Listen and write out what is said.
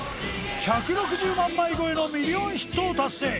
１６０万枚超えのミリオンヒットを達成